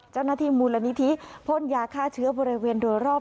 เจ้าหน้าที่มูลนิธิพ่นยาฆ่าเชื้อบริเวณโดยรอบ